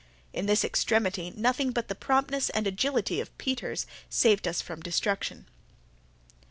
In this extremity nothing but the promptness and agility of Peters saved us from destruction.